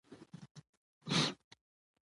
ماشومان د لوبو له لارې ځان جوړونه زده کوي.